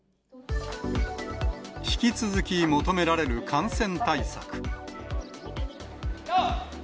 引き続き求められる感染対策。